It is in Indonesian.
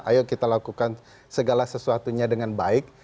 ayo kita lakukan segala sesuatunya dengan baik